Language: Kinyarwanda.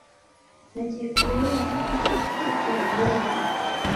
nagiye kure yaho ntashakako bambona